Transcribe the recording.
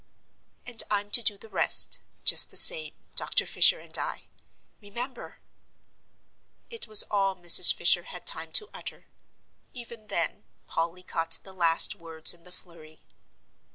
"And I'm to do the rest just the same Doctor Fisher and I. Remember!" It was all Mrs. Fisher had time to utter. Even then, Polly caught the last words in the flurry.